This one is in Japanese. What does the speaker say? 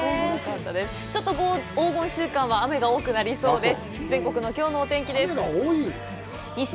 ちょっと黄金週間は雨が多くなりそうです。